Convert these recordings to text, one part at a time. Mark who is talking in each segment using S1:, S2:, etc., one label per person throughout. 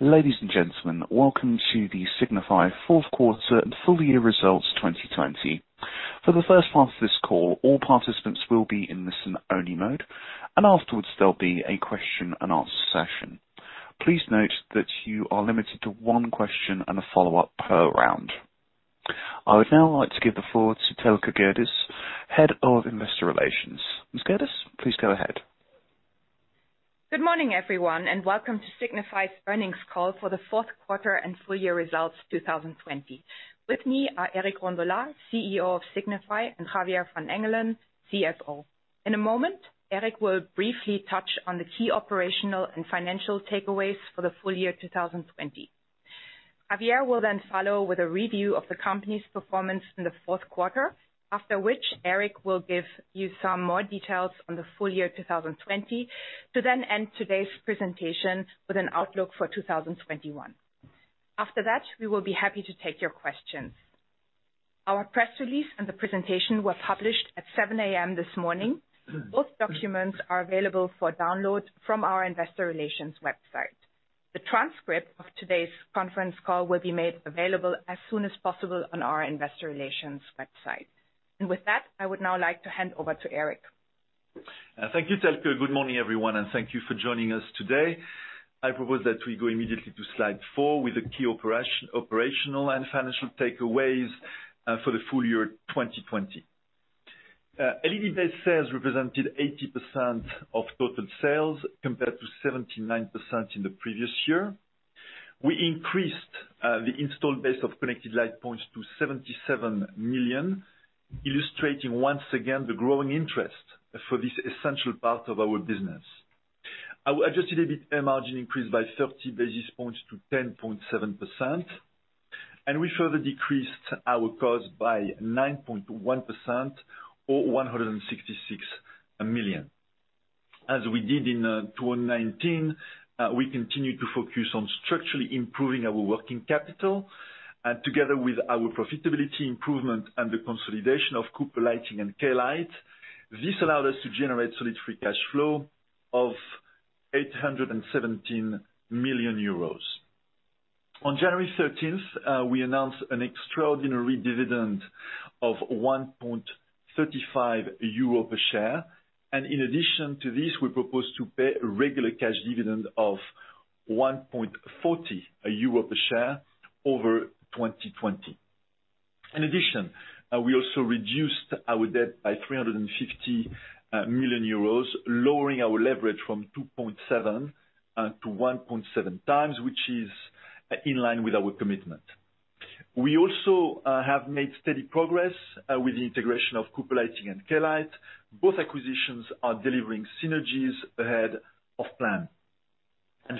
S1: Ladies and gentlemen, welcome to the Signify fourth quarter and full year results 2020. For the first part of this call, all participants will be in listen only mode, and afterwards there'll be a question and answer session. Please note that you are limited to one question and a follow-up per round. I would now like to give the floor to Thelke Gerdes, Head of Investor Relations. Ms. Gerdes, please go ahead.
S2: Good morning, everyone, and welcome to Signify's earnings call for the fourth quarter and full year results 2020. With me are Eric Rondolat, CEO of Signify, and Javier van Engelen, CFO. In a moment, Eric will briefly touch on the key operational and financial takeaways for the full year 2020. Javier will then follow with a review of the company's performance in the fourth quarter, after which Eric will give you some more details on the full year 2020, to then end today's presentation with an outlook for 2021. After that, we will be happy to take your questions. Our press release and the presentation were published at 7:00 A.M. this morning. Both documents are available for download from our investor relations website. The transcript of today's conference call will be made available as soon as possible on our investor relations website. With that, I would now like to hand over to Eric.
S3: Thank you, Thelke. Good morning, everyone, and thank you for joining us today. I propose that we go immediately to slide four with the key operational and financial takeaways, for the full year 2020. LED-based sales represented 80% of total sales, compared to 79% in the previous year. We increased the installed base of connected light points to 77 million, illustrating once again, the growing interest for this essential part of our business. Our adjusted EBIT margin increased by 30 basis points to 10.7%. We further decreased our costs by 9.1% or 166 million. As we did in 2019, we continued to focus on structurally improving our working capital. Together with our profitability improvement and the consolidation of Cooper Lighting and Klite, this allowed us to generate solid free cash flow of 817 million euros. On January 13th, we announced an extraordinary dividend of 1.35 euro per share. In addition to this, we propose to pay a regular cash dividend of 1.40 euro per share over 2020. In addition, we also reduced our debt by 350 million euros, lowering our leverage from 2.7 and to 1.7x, which is in line with our commitment. We also have made steady progress with the integration of Cooper Lighting and Klite. Both acquisitions are delivering synergies ahead of plan.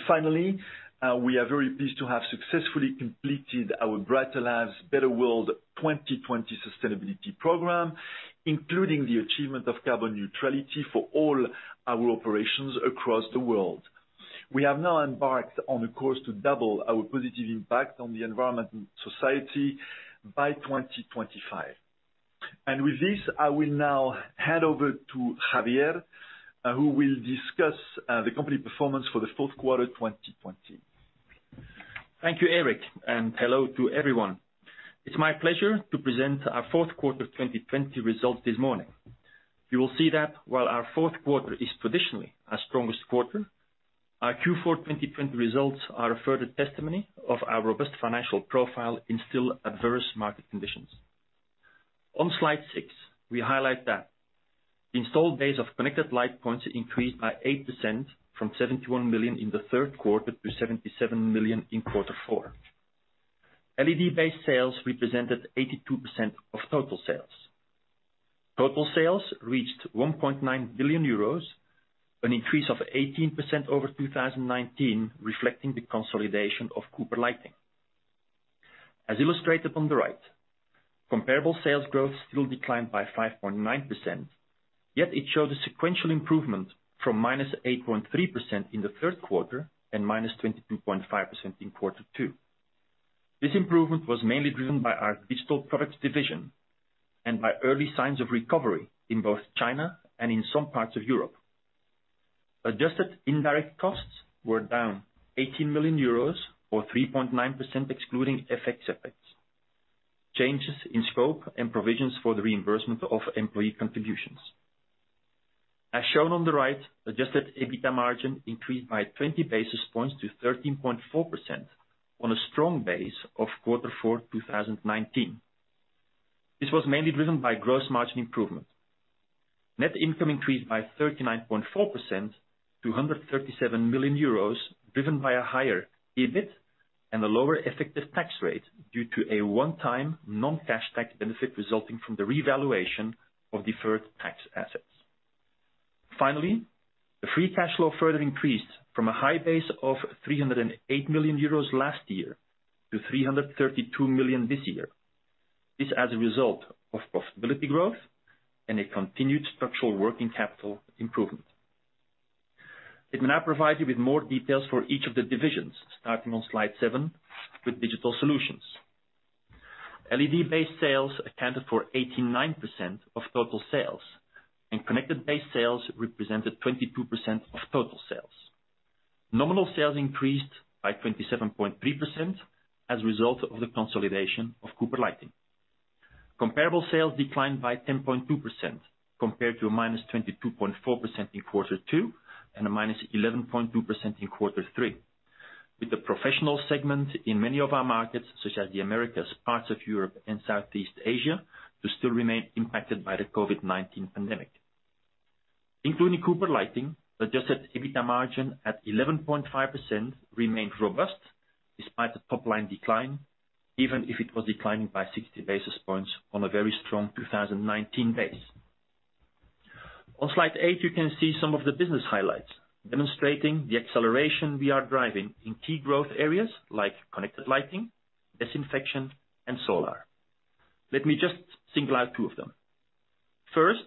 S3: Finally, we are very pleased to have successfully completed our Brighter Lives, Better World 2020 sustainability program, including the achievement of carbon neutrality for all our operations across the world. We have now embarked on a course to double our positive impact on the environment and society by 2025. With this, I will now hand over to Javier, who will discuss the company performance for the fourth quarter 2020.
S4: Thank you, Eric, and hello to everyone. It's my pleasure to present our fourth quarter 2020 results this morning. You will see that while our fourth quarter is traditionally our strongest quarter, our Q4 2020 results are a further testimony of our robust financial profile in still adverse market conditions. On slide six, we highlight that the installed base of connected light points increased by 8% from 71 million in the third quarter to 77 million in quarter four. LED-based sales represented 82% of total sales. Total sales reached 1.9 billion euros, an increase of 18% over 2019, reflecting the consolidation of Cooper Lighting. As illustrated on the right, comparable sales growth still declined by 5.9%, yet it showed a sequential improvement from -8.3% in the third quarter and -22.5% in quarter two. This improvement was mainly driven by our Digital Products division and by early signs of recovery in both China and in some parts of Europe. Adjusted indirect costs were down 18 million euros, or 3.9% excluding FX effects, changes in scope, and provisions for the reimbursement of employee contributions. As shown on the right, adjusted EBITA margin increased by 20 basis points to 13.4% on a strong base of quarter four 2019. This was mainly driven by gross margin improvement. Net income increased by 39.4% to 137 million euros, driven by a higher EBIT and a lower effective tax rate due to a one-time non-cash tax benefit resulting from the revaluation of deferred tax assets. Finally, the free cash flow further increased from a high base of 308 million euros last year to 332 million this year. This as a result of profitability growth and a continued structural working capital improvement. Let me now provide you with more details for each of the divisions, starting on slide seven with Digital Solutions. LED-based sales accounted for 89% of total sales, and connected base sales represented 22% of total sales. Nominal sales increased by 27.3% as a result of the consolidation of Cooper Lighting. Comparable sales declined by 10.2%, compared to a -22.4% in quarter two and a -11.2% in quarter three. With the professional segment in many of our markets, such as the Americas, parts of Europe, and Southeast Asia, to still remain impacted by the COVID-19 pandemic. Including Cooper Lighting, adjusted EBITA margin at 11.5% remained robust despite the top-line decline, even if it was declining by 60 basis points on a very strong 2019 base. On slide eight, you can see some of the business highlights demonstrating the acceleration we are driving in key growth areas like connected lighting, disinfection, and solar. Let me just single out two of them. First,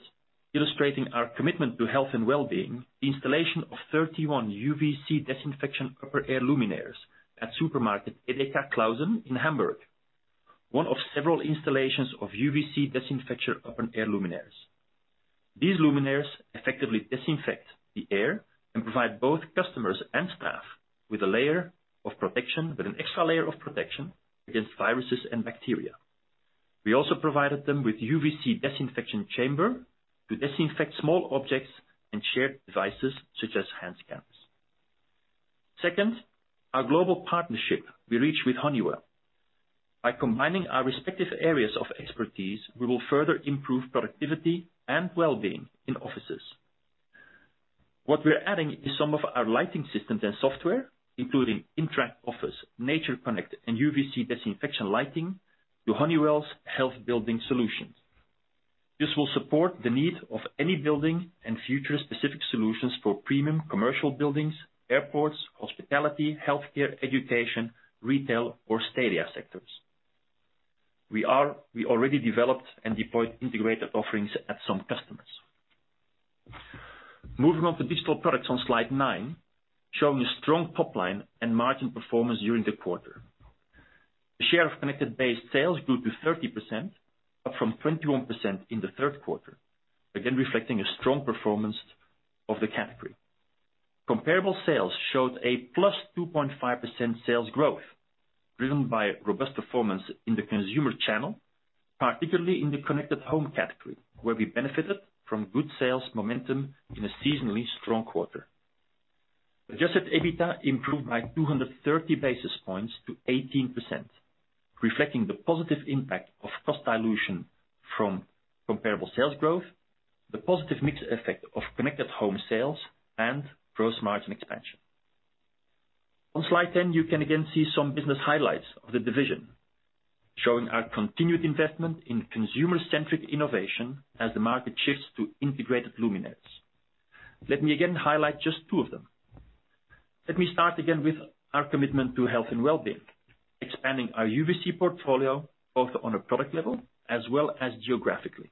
S4: illustrating our commitment to health and well-being, the installation of 31 UVC disinfection upper air luminaires at supermarket EDEKA Clausen in Hamburg. One of several installations of UVC disinfection upper air luminaires. These luminaires effectively disinfect the air and provide both customers and staff with an extra layer of protection against viruses and bacteria. We also provided them with UVC disinfection chamber to disinfect small objects and shared devices such as hand scans. Second, our global partnership we reached with Honeywell. By combining our respective areas of expertise, we will further improve productivity and well-being in offices. What we're adding is some of our lighting systems and software, including Interact Office, NatureConnect, and UVC Disinfection Lighting to Honeywell's health building solutions. This will support the need of any building and future specific solutions for premium commercial buildings, airports, hospitality, healthcare, education, retail, or stadia sectors. We already developed and deployed integrated offerings at some customers. Moving on to Digital Products on slide nine, showing a strong top line and margin performance during the quarter. The share of connected base sales grew to 30%, up from 21% in the third quarter, again reflecting a strong performance of the category. Comparable sales showed a +2.5% sales growth, driven by robust performance in the consumer channel, particularly in the connected home category, where we benefited from good sales momentum in a seasonally strong quarter. Adjusted EBITA improved by 230 basis points to 18%, reflecting the positive impact of cost dilution from comparable sales growth, the positive mix effect of connected home sales, and gross margin expansion. On slide 10, you can again see some business highlights of the division, showing our continued investment in consumer-centric innovation as the market shifts to integrated luminaires. Let me again highlight just two of them. Let me start again with our commitment to health and well-being, expanding our UVC portfolio both on a product level as well as geographically.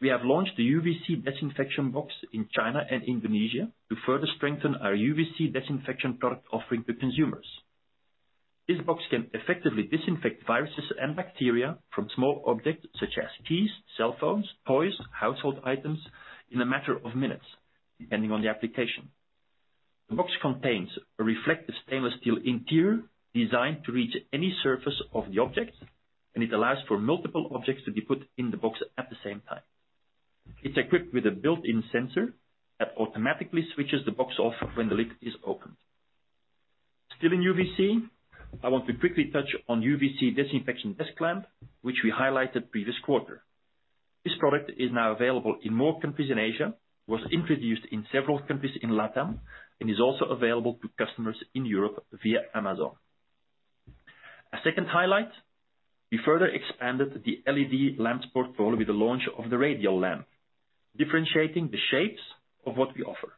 S4: We have launched the UVC disinfection box in China and Indonesia to further strengthen our UVC disinfection product offering to consumers. This box can effectively disinfect viruses and bacteria from small objects such as keys, cell phones, toys, household items in a matter of minutes, depending on the application. The box contains a reflective stainless steel interior designed to reach any surface of the object, and it allows for multiple objects to be put in the box at the same time. It's equipped with a built-in sensor that automatically switches the box off when the lid is opened. Still in UVC, I want to quickly touch on UVC disinfection desk lamp, which we highlighted previous quarter. This product is now available in more countries in Asia, was introduced in several countries in Latam, and is also available to customers in Europe via Amazon. A second highlight, we further expanded the LED lamps portfolio with the launch of the radial lamp, differentiating the shapes of what we offer.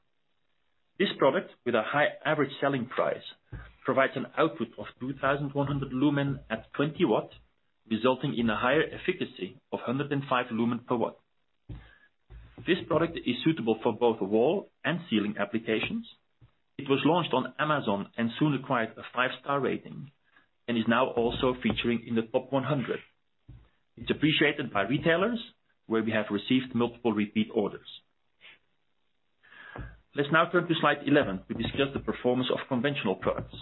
S4: This product, with a high average selling price, provides an output of 2,100 lumen at 20 W, resulting in a higher efficacy of 105 lm/W. This product is suitable for both wall and ceiling applications. It was launched on Amazon and soon acquired a five-star rating and is now also featuring in the top 100. It's appreciated by retailers, where we have received multiple repeat orders. Let's now turn to slide 11 to discuss the performance of conventional products.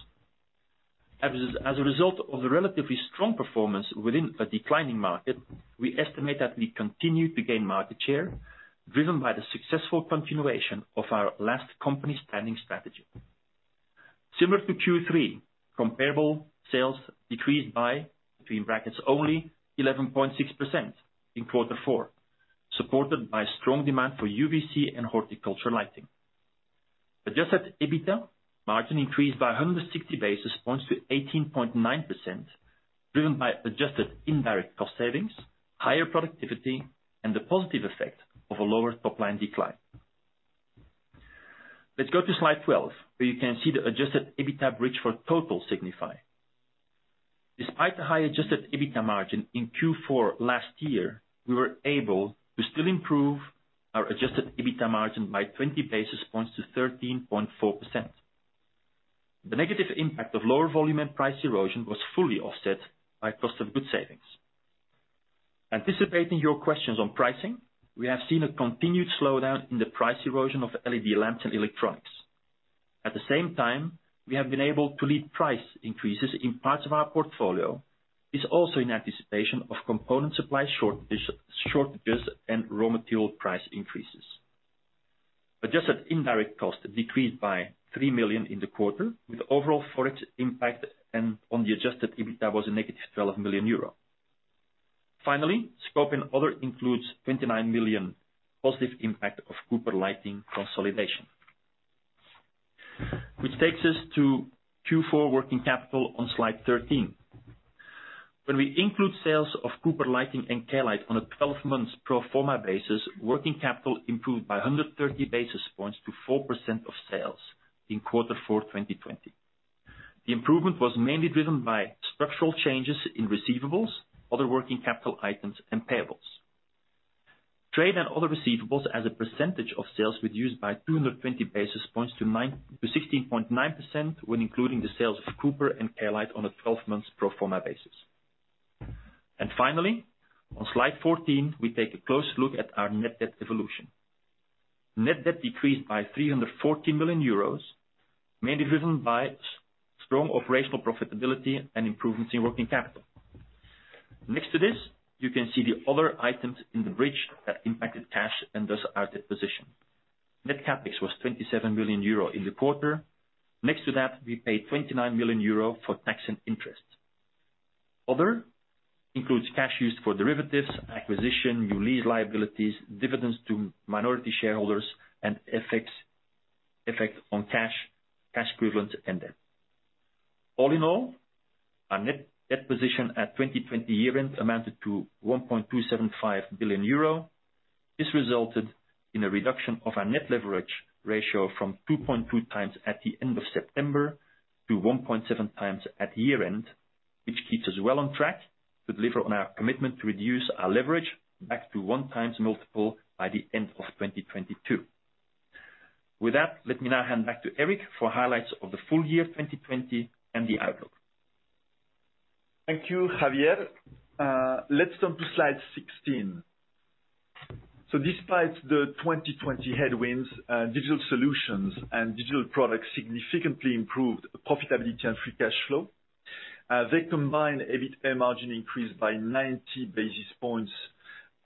S4: As a result of the relatively strong performance within a declining market, we estimate that we continued to gain market share driven by the successful continuation of our Last Company Standing strategy. Similar to Q3, comparable sales decreased by, between brackets only, 11.6% in quarter four, supported by strong demand for UVC and horticulture lighting. Adjusted EBITA margin increased by 160 basis points to 18.9%, driven by adjusted indirect cost savings, higher productivity, and the positive effect of a lower top line decline. Let's go to slide 12, where you can see the adjusted EBITDA bridge for total Signify. Despite the high adjusted EBITDA margin in Q4 last year, we were able to still improve our adjusted EBITDA margin by 20 basis points to 13.4%. The negative impact of lower volume and price erosion was fully offset by cost of goods savings. Anticipating your questions on pricing, we have seen a continued slowdown in the price erosion of LED lamps and electronics. At the same time, we have been able to lead price increases in parts of our portfolio, is also in anticipation of component supply shortages and raw material price increases. Adjusted indirect costs decreased by 3 million in the quarter, with overall FOREX impact and on the adjusted EBITDA was a -12 million euro. Finally, Scope and other includes 29 million positive impact of Cooper Lighting consolidation. Which takes us to Q4 working capital on slide 13. When we include sales of Cooper Lighting and Klite on a 12 months pro forma basis, working capital improved by 130 basis points to 4% of sales in quarter four 2020. The improvement was mainly driven by structural changes in receivables, other working capital items, and payables. Trade and other receivables as a percentage of sales reduced by 220 basis points to 16.9% when including the sales of Cooper and Klite on a 12 months pro forma basis. Finally, on slide 14, we take a close look at our net debt evolution. Net debt decreased by 340 million euros, mainly driven by strong operational profitability and improvements in working capital. Next to this, you can see the other items in the bridge that impacted cash and thus our debt position. Net CapEx was 27 million euro in the quarter. Next to that, we paid 29 million euro for tax and interest. Other includes cash used for derivatives, acquisition, new lease liabilities, dividends to minority shareholders, and effect on cash equivalents and debt. All in all, our net debt position at 2020 year-end amounted to 1.275 billion euro. This resulted in a reduction of our net leverage ratio from 2.2x at the end of September to 1.7x at year-end, which keeps us well on track to deliver on our commitment to reduce our leverage back to 1x multiple by the end of 2022. With that, let me now hand back to Eric for highlights of the full year 2020 and the outlook.
S3: Thank you, Javier. Let's turn to slide 16. Despite the 2020 headwinds, Digital Solutions and Digital Products significantly improved profitability and free cash flow. Their combined EBITA margin increased by 90 basis points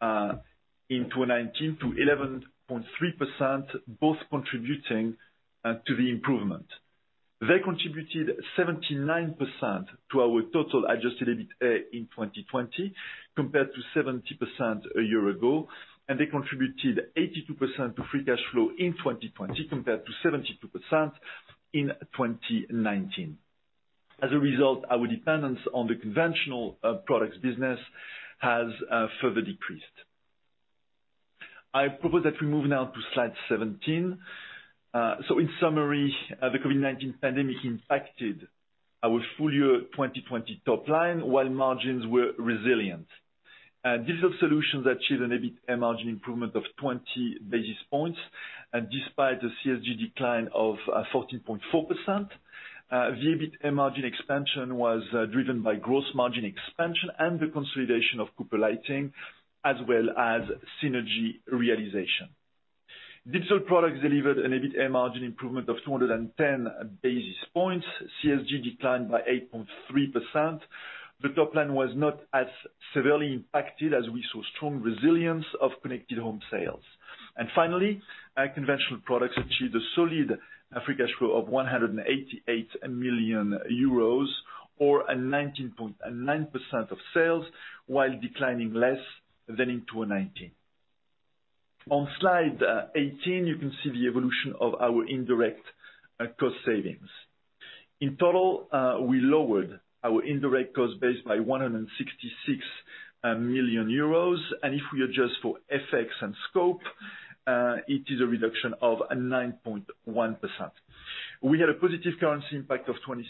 S3: in 2019 to 11.3%, both contributing to the improvement. They contributed 79% to our total adjusted EBITA in 2020 compared to 70% a year ago, and they contributed 82% to free cash flow in 2020 compared to 72% in 2019. As a result, our dependence on the conventional products business has further decreased. I propose that we move now to slide 17. In summary, the COVID-19 pandemic impacted our full year 2020 top line, while margins were resilient. Digital Solutions achieved an EBITA margin improvement of 20 basis points. Despite the CSG decline of 14.4%, the EBITA margin expansion was driven by gross margin expansion and the consolidation of Cooper Lighting, as well as synergy realization. Digital Products delivered an EBITA margin improvement of 210 basis points. CSG declined by 8.3%. The top line was not as severely impacted as we saw strong resilience of connected home sales. Finally, our conventional products achieved a solid free cash flow of 188 million euros or 19.9% of sales while declining less than in 2019. On slide 18, you can see the evolution of our indirect cost savings. In total, we lowered our indirect cost base by 166 million euros. If we adjust for FX and scope, it is a reduction of 9.1%. We had a positive currency impact of 26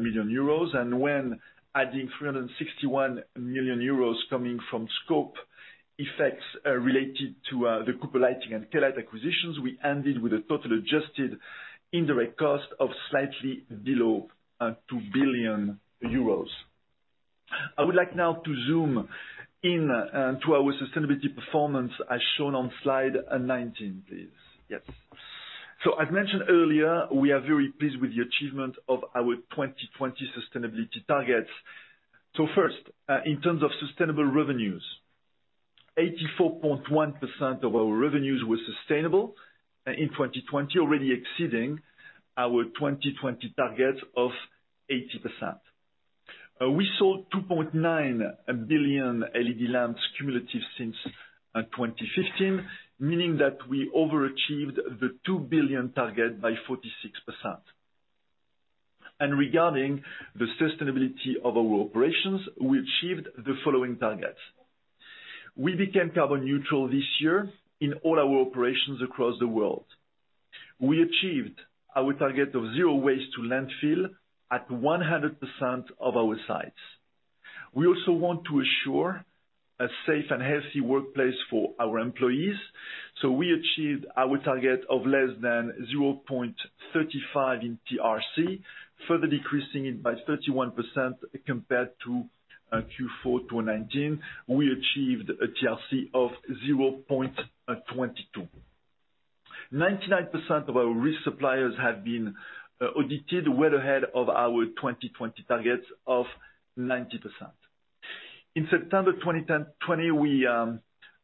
S3: million euros, and when adding 361 million euros coming from scope effects related to the Cooper Lighting and Klite acquisitions, we ended with a total adjusted indirect cost of slightly below 2 billion euros. I would like now to zoom in to our sustainability performance as shown on slide 19, please. Yes. I've mentioned earlier, we are very pleased with the achievement of our 2020 sustainability targets. First, in terms of sustainable revenues, 84.1% of our revenues were sustainable in 2020, already exceeding our 2020 targets of 80%. We sold 2.9 billion LED lamps cumulative since 2015, meaning that we overachieved the 2 billion target by 46%. Regarding the sustainability of our operations, we achieved the following targets. We became carbon neutral this year in all our operations across the world. We achieved our target of zero waste to landfill at 100% of our sites. We also want to ensure a safe and healthy workplace for our employees. We achieved our target of less than 0.35 in TRC, further decreasing it by 31% compared to Q4 2019. We achieved a TRC of 0.22. 99% of our risk suppliers have been audited, well ahead of our 2020 targets of 90%. In September 2020, we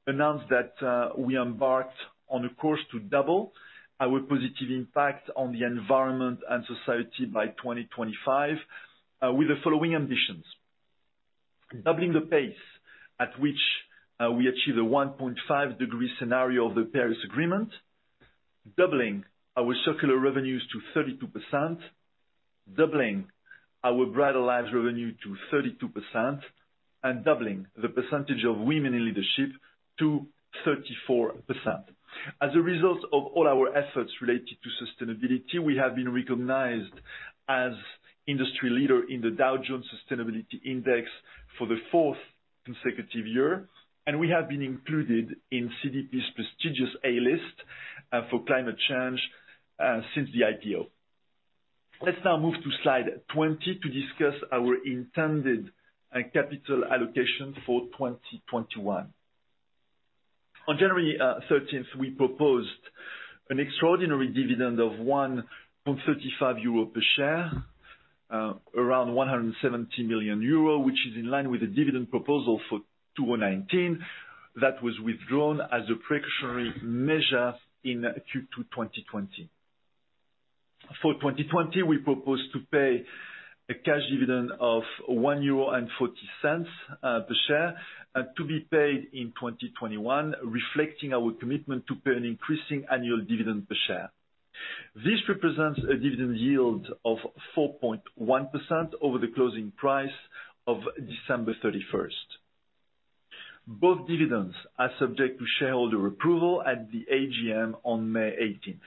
S3: announced that we embarked on a course to double our positive impact on the environment and society by 2025, with the following ambitions: Doubling the pace at which we achieve the 1.5-degree scenario of the Paris Agreement, doubling our circular revenues to 32%, doubling our Brighter Lives revenue to 32%, and doubling the percentage of women in leadership to 34%. As a result of all our efforts related to sustainability, we have been recognized as industry leader in the Dow Jones Sustainability Index for the fourth consecutive year. We have been included in CDP's prestigious A list for climate change since the IPO. Let's now move to slide 20 to discuss our intended capital allocation for 2021. On January 13th, we proposed an extraordinary dividend of 1.35 euro per share, around 170 million euro, which is in line with the dividend proposal for 2019 that was withdrawn as a precautionary measure in Q2 2020. For 2020, we propose to pay a cash dividend of 1.40 euro per share to be paid in 2021, reflecting our commitment to pay an increasing annual dividend per share. This represents a dividend yield of 4.1% over the closing price of December 31st. Both dividends are subject to shareholder approval at the AGM on May 18th.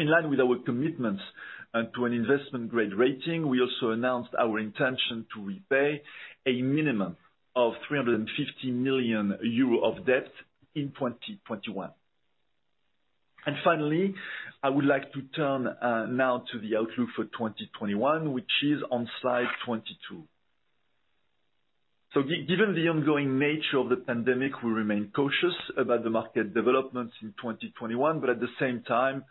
S3: In line with our commitments to an investment-grade rating, we also announced our intention to repay a minimum of 350 million euro of debt in 2021. Finally, I would like to turn now to the outlook for 2021, which is on slide 22. Given the ongoing nature of the pandemic, we remain cautious about the market developments in 2021. At the same time,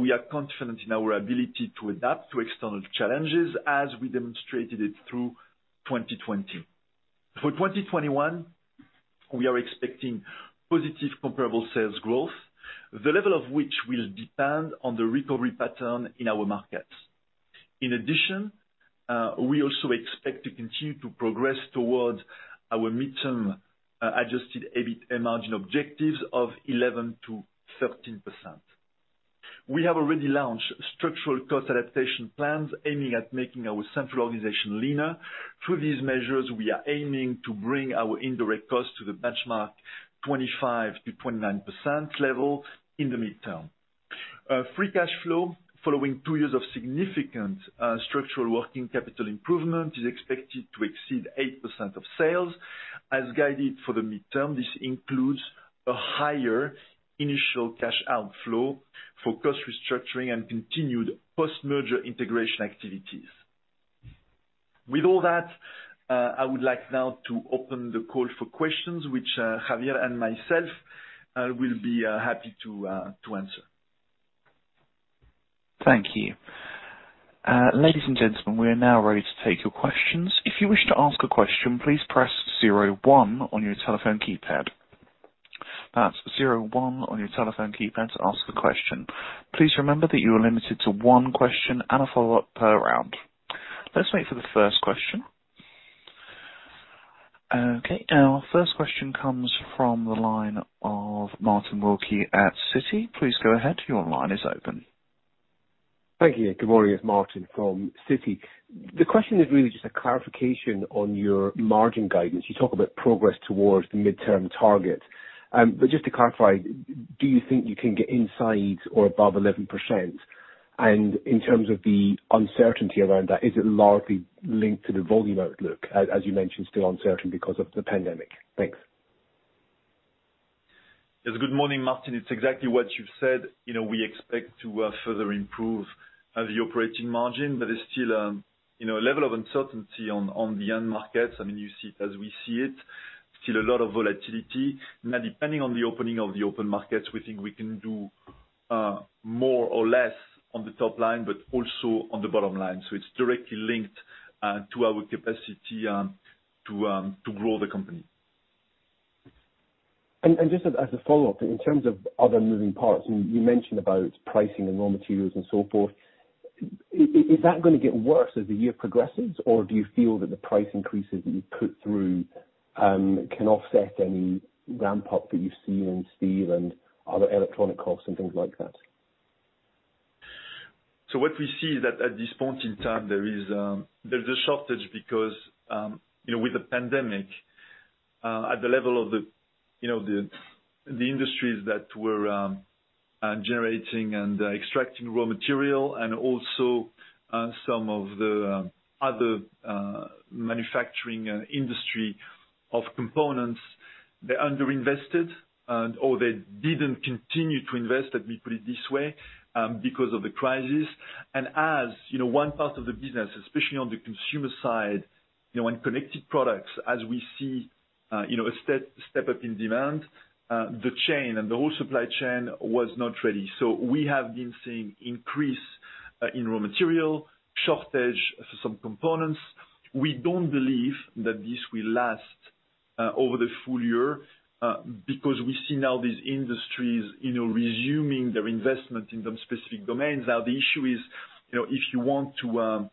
S3: we are confident in our ability to adapt to external challenges as we demonstrated it through 2020. For 2021, we are expecting positive comparable sales growth, the level of which will depend on the recovery pattern in our markets. In addition, we also expect to continue to progress towards our midterm adjusted EBITA margin objectives of 11%-13%. We have already launched structural cost adaptation plans aiming at making our central organization leaner. Through these measures, we are aiming to bring our indirect cost to the benchmark 25%-29% level in the midterm. Free cash flow following two years of significant structural working capital improvement is expected to exceed 8% of sales. As guided for the midterm, this includes a higher initial cash outflow for cost restructuring and continued post-merger integration activities. With all that, I would like now to open the call for questions, which Javier and myself will be happy to answer.
S1: Thank you. Ladies and gentlemen, we are now ready to take your questions. If you wish to ask a question, please press zero one on your telephone keypad. That's zero one on your telephone keypad to ask a question. Please remember that you are limited to one question and a follow-up per round. Let's wait for the first question. Okay, our first question comes from the line of Martin Wilkie at Citi. Please go ahead. Your line is open.
S5: Thank you. Good morning. It's Martin from Citi. The question is really just a clarification on your margin guidance. You talk about progress towards the midterm target. Just to clarify, do you think you can get inside or above 11%? In terms of the uncertainty around that, is it largely linked to the volume outlook, as you mentioned, still uncertain because of the pandemic? Thanks.
S3: Yes. Good morning, Martin. It's exactly what you've said. We expect to further improve the operating margin, there's still a level of uncertainty on the end markets. I mean, you see it as we see it, still a lot of volatility. Depending on the opening of the open markets, we think we can do more or less on the top line, but also on the bottom line. It's directly linked to our capacity to grow the company.
S5: Just as a follow-up, in terms of other moving parts, you mentioned about pricing and raw materials and so forth. Is that going to get worse as the year progresses? Do you feel that the price increases that you put through can offset any ramp-up that you've seen in steel and other electronic costs and things like that?
S3: What we see is that at this point in time, there's a shortage because with the pandemic. At the level of the industries that were generating and extracting raw material and also some of the other manufacturing industry of components, they under-invested or they didn't continue to invest, let me put it this way, because of the crisis. As one part of the business, especially on the consumer side, when connected products, as we see a step up in demand, the chain and the whole supply chain was not ready. We have been seeing increase in raw material, shortage for some components. We don't believe that this will last over the full year, because we see now these industries resuming their investment in the specific domains. The issue is, if you want to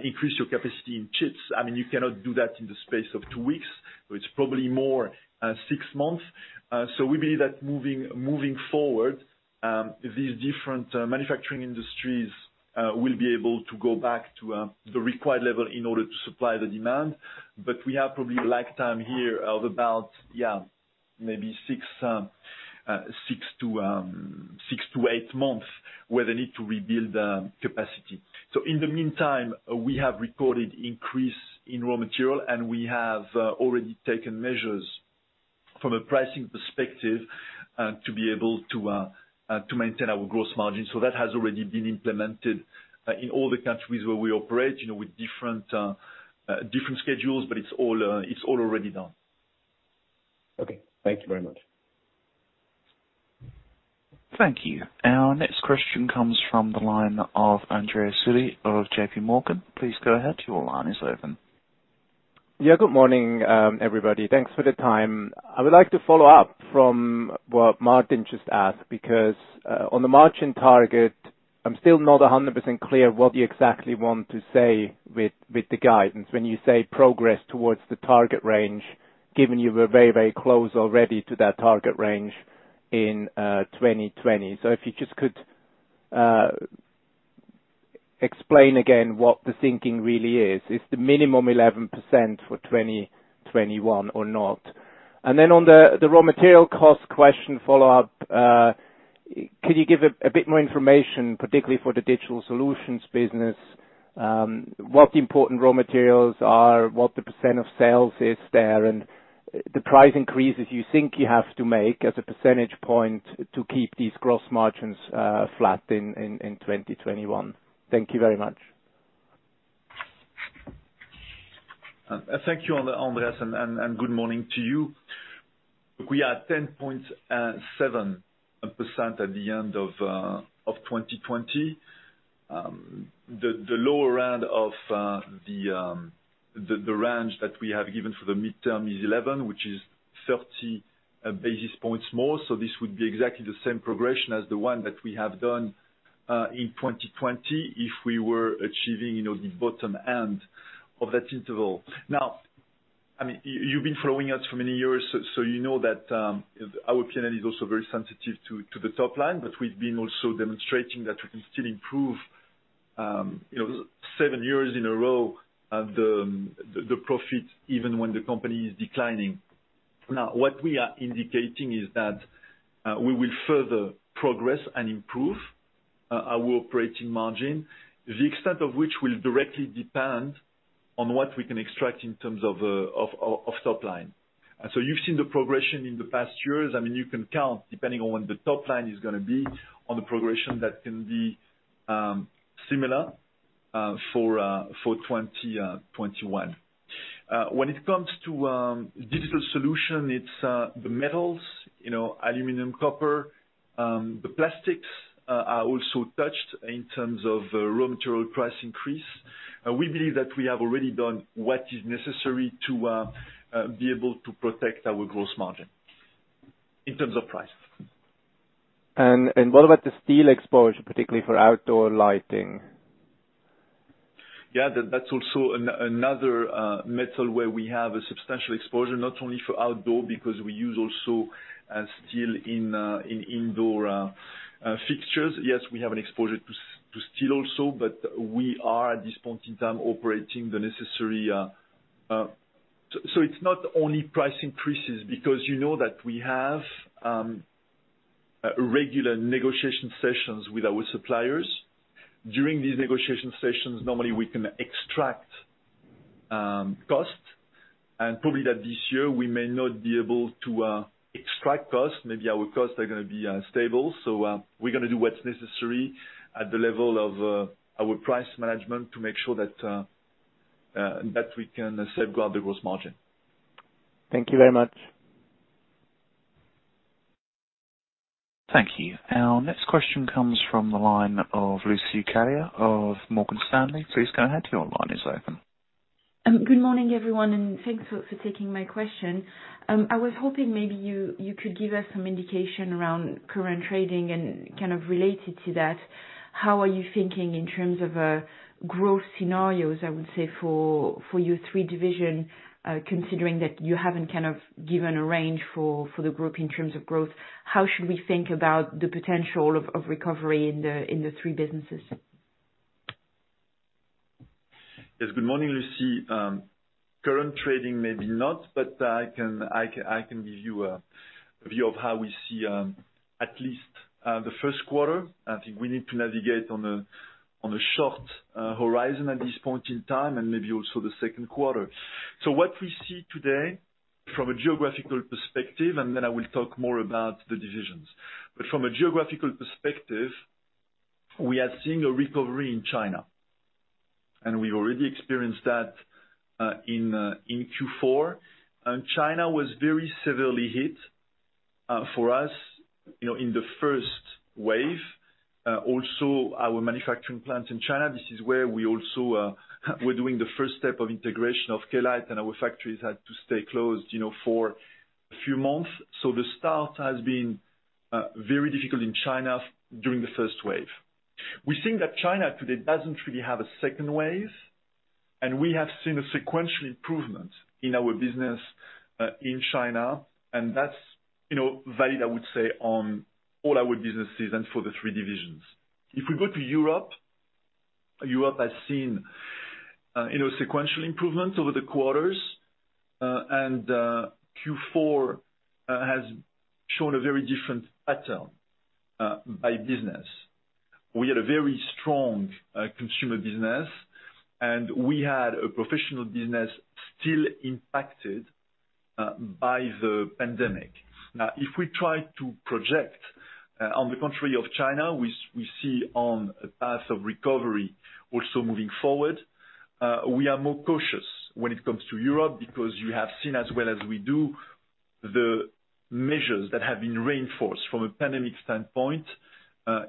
S3: increase your capacity in chips, you cannot do that in the space of two weeks. It's probably more six months. We believe that moving forward, these different manufacturing industries will be able to go back to the required level in order to supply the demand. We have probably a lag time here of about maybe six to eight months, where they need to rebuild capacity. In the meantime, we have recorded increase in raw material, and we have already taken measures from a pricing perspective to be able to maintain our gross margin. That has already been implemented in all the countries where we operate, with different schedules, but it's all already done.
S5: Okay. Thank you very much.
S1: Thank you. Our next question comes from the line of Andreas Willi of JPMorgan. Please go ahead.
S6: Good morning, everybody. Thanks for the time. I would like to follow up from what Martin just asked, because on the margin target, I'm still not 100% clear what you exactly want to say with the guidance. When you say progress towards the target range, given you were very close already to that target range in 2020. If you just could explain again what the thinking really is. Is the minimum 11% for 2021 or not? Then on the raw material cost question follow-up, could you give a bit more information, particularly for the Digital Solutions business, what important raw materials are, what the percent of sales is there, and the price increases you think you have to make as a percentage point to keep these gross margins flat in 2021? Thank you very much.
S3: Thank you, Andreas. Good morning to you. We are at 10.7% at the end of 2020. The lower end of the range that we have given for the midterm is 11, which is 30 basis points more. This would be exactly the same progression as the one that we have done in 2020 if we were achieving the bottom end of that interval. Now, you know that our P&L is also very sensitive to the top line, but we've been also demonstrating that we can still improve seven years in a row the profit even when the company is declining. Now, what we are indicating is that we will further progress and improve our operating margin, the extent of which will directly depend on what we can extract in terms of top line. You've seen the progression in the past years. You can count, depending on when the top line is gonna be, on the progression that can be similar for 2021. When it comes to Digital Solutions, it's the metals, aluminum, copper. The plastics are also touched in terms of raw material price increase. We believe that we have already done what is necessary to be able to protect our gross margin in terms of price.
S6: What about the steel exposure, particularly for outdoor lighting?
S3: That's also another metal where we have a substantial exposure, not only for outdoor because we use also steel in indoor fixtures. Yes, we have an exposure to steel also, but we are, at this point in time. It's not only price increases because you know that we have regular negotiation sessions with our suppliers. During these negotiation sessions, normally we can extract cost and probably that this year we may not be able to extract cost. Maybe our costs are going to be stable. We're going to do what's necessary at the level of our price management to make sure that we can safeguard the gross margin.
S6: Thank you very much.
S1: Thank you. Our next question comes from the line of Lucie Carrier of Morgan Stanley. Please go ahead. Your line is open.
S7: Good morning, everyone. Thanks for taking my question. I was hoping maybe you could give us some indication around current trading and kind of related to that, how are you thinking in terms of growth scenarios, I would say for your three division, considering that you haven't kind of given a range for the group in terms of growth. How should we think about the potential of recovery in the three businesses?
S3: Yes. Good morning, Lucie. Current trading, maybe not, but I can give you a view of how we see at least the first quarter. I think we need to navigate on a short horizon at this point in time, and maybe also the second quarter. What we see today from a geographical perspective, and then I will talk more about the divisions. From a geographical perspective, we are seeing a recovery in China, and we already experienced that in Q4. China was very severely hit for us in the first wave. Our manufacturing plant in China, this is where we're doing the first step of integration of Klite, and our factories had to stay closed for a few months. The start has been very difficult in China during the first wave. We think that China today doesn't really have a second wave, and we have seen a sequential improvement in our business in China, and that's valid, I would say, on all our businesses and for the three divisions. If we go to Europe has seen sequential improvements over the quarters, and Q4 has shown a very different pattern by business. We had a very strong consumer business, and we had a professional business still impacted by the pandemic. Now, if we try to project on the contrary of China, we see on a path of recovery also moving forward. We are more cautious when it comes to Europe because you have seen as well as we do the measures that have been reinforced from a pandemic standpoint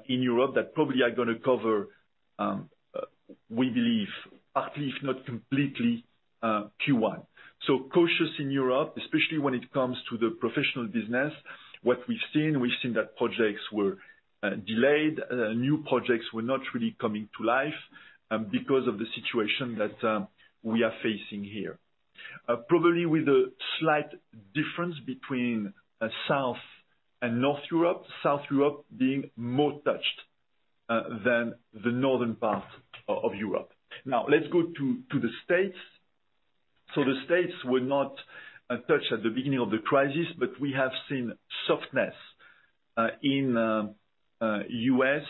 S3: in Europe that probably are going to cover, we believe, partly if not completely, Q1. Cautious in Europe, especially when it comes to the professional business. What we've seen, we've seen that projects were delayed, new projects were not really coming to life because of the situation that we are facing here. Probably with a slight difference between south and north Europe, south Europe being more touched than the northern part of Europe. Let's go to the U.S. The U.S. were not touched at the beginning of the crisis, but we have seen softness in the U.S.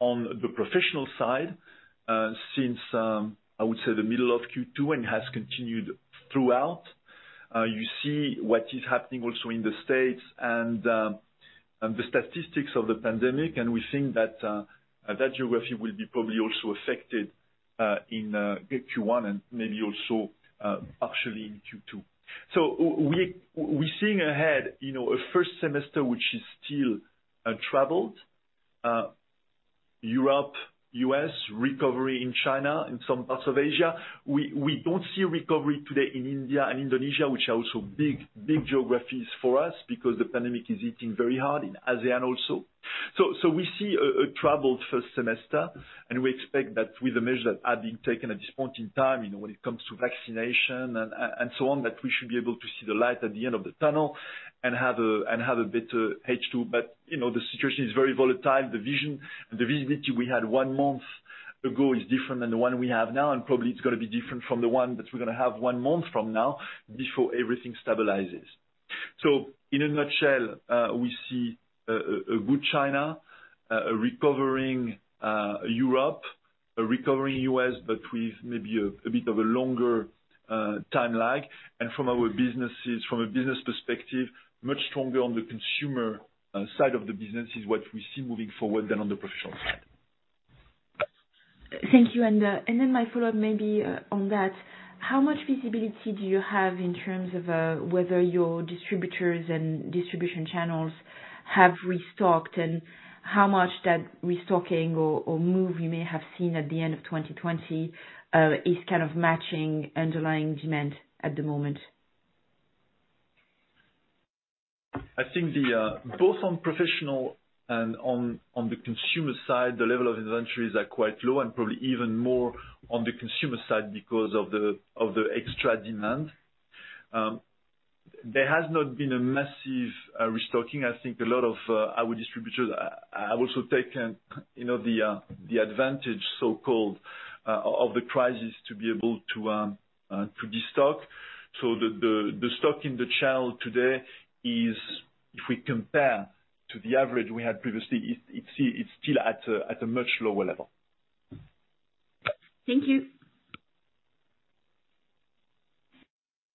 S3: on the professional side since, I would say, the middle of Q2, and has continued throughout. You see what is happening also in the U.S. and the statistics of the pandemic, and we think that that geography will be probably also affected in Q1 and maybe also partially in Q2. We're seeing ahead a first semester which is still troubled. Europe, U.S., recovery in China and some parts of Asia. We don't see recovery today in India and Indonesia, which are also big geographies for us because the pandemic is hitting very hard in ASEAN also. We see a troubled first semester, and we expect that with the measures that are being taken at this point in time, when it comes to vaccination and so on, that we should be able to see the light at the end of the tunnel and have a better H2. The situation is very volatile. The visibility we had one month ago is different than the one we have now, and probably it's going to be different from the one that we're going to have one month from now before everything stabilizes. In a nutshell, we see a good China, a recovering Europe, a recovering U.S., but with maybe a bit of a longer time lag. From a business perspective, much stronger on the consumer side of the business is what we see moving forward than on the professional side.
S7: Thank you. My follow-up maybe on that, how much visibility do you have in terms of whether your distributors and distribution channels have restocked and how much that restocking or move you may have seen at the end of 2020 is kind of matching underlying demand at the moment?
S3: I think both on professional and on the consumer side, the level of inventories are quite low and probably even more on the consumer side because of the extra demand. There has not been a massive restocking. I think a lot of our distributors have also taken the advantage, so-called, of the crisis to be able to destock. The stock in the channel today is, if we compare to the average we had previously, it's still at a much lower level.
S7: Thank you.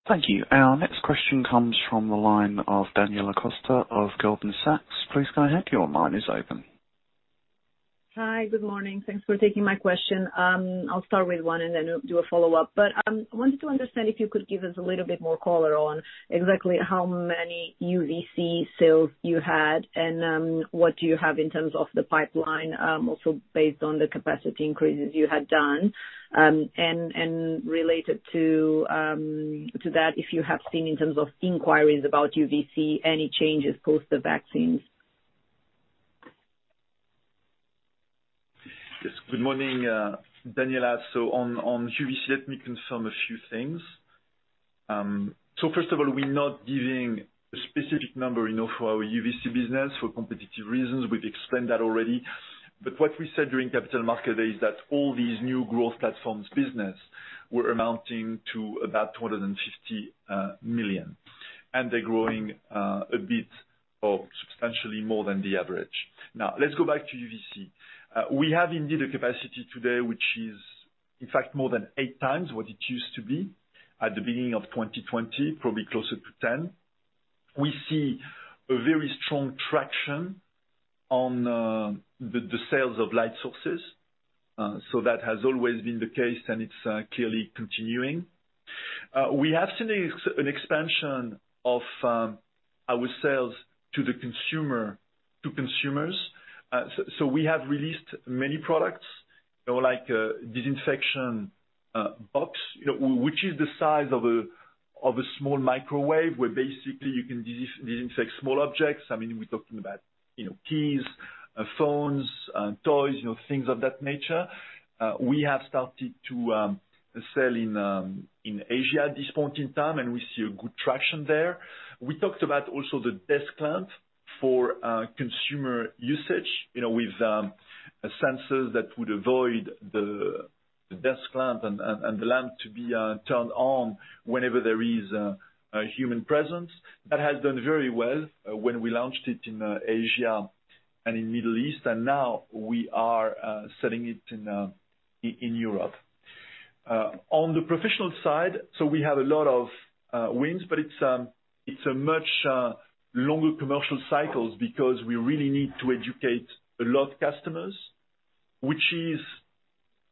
S1: Thank you. Our next question comes from the line of Daniela Costa of Goldman Sachs. Please go ahead. Your line is open.
S8: Hi. Good morning. Thanks for taking my question. I'll start with one and then do a follow-up. I wanted to understand if you could give us a little bit more color on exactly how many UVC sales you had and what you have in terms of the pipeline, also based on the capacity increases you had done. Related to that, if you have seen in terms of inquiries about UVC, any changes post the vaccines?
S3: Yes. Good morning, Daniela. On UVC, let me confirm a few things. First of all, we're not giving a specific number for our UVC business for competitive reasons. We've explained that already. What we said during Capital Markets Day is that all these new growth platforms business were amounting to about 250 million, and they're growing a bit of substantially more than the average. Now, let's go back to UVC. We have indeed a capacity today, which is, in fact, more than eight times what it used to be at the beginning of 2020, probably closer to 10. We see a very strong traction on the sales of light sources. That has always been the case, and it's clearly continuing. We have seen an expansion of our sales to consumers. We have released many products like a disinfection box, which is the size of a small microwave, where basically you can disinfect small objects. We're talking about keys, phones, toys, things of that nature. We have started to sell in Asia at this point in time, and we see a good traction there. We talked about also the desk lamp for consumer usage, with sensors that would avoid the desk lamp and the lamp to be turned on whenever there is a human presence. That has done very well when we launched it in Asia and in Middle East, and now we are selling it in Europe. On the professional side, we have a lot of wins, but it's a much longer commercial cycles because we really need to educate a lot of customers, which is